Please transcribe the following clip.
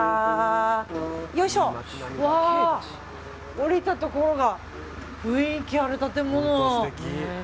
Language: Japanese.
降りたところが雰囲気ある建物。